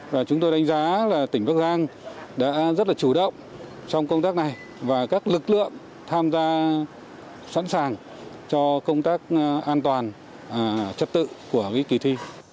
và chúng tôi đánh giá là tỉnh bắc giang đã rất là chủ động trong công tác này và các lực lượng tham gia sẵn sàng cho công tác an toàn trật tự của kỳ thi